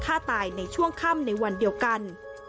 ฆ่าตายในช่วงค่ำในวันเดียวกัน